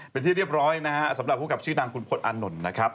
เป็นที่เรียบร้อยนะฮะสำหรับผู้กับชื่อดังคุณพลตอานนท์นะครับ